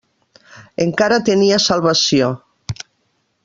Encara tenia salvació.